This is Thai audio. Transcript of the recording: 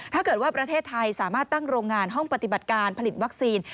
ถ้าเกิดว่าประเทศไทยสามารถตั้งโรงงานห้องปฏิบัติการผลิตวัคซีน